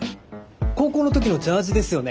高校の時のジャージですよね？